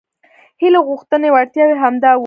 هیلې غوښتنې وړتیاوې همدا وو.